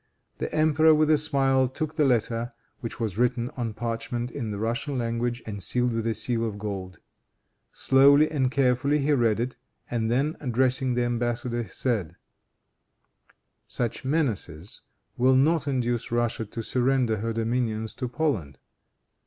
The emperor, with a smile, took the letter, which was written on parchment in the Russian language and sealed with a seal of gold. Slowly and carefully he read it, and then addressing the embassador, said, "Such menaces will not induce Russia to surrender her dominions to Poland.